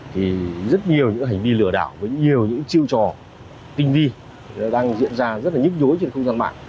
thì rất nhiều những hành vi lừa đảo với nhiều những chiêu trò tinh vi đang diễn ra rất là nhức nhối trên không gian mạng